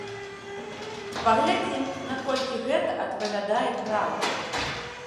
Паглядзім, наколькі гэта адпавядае праўдзе.